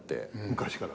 昔から？